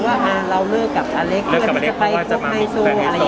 ว่าอ่าเราเลิกกับอเล็กเยาะที่จะไปปภทรภไฮโซ